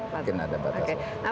mungkin ada batas waktunya